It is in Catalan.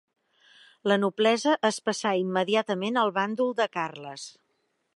La noblesa es passà immediatament al bàndol de Carles.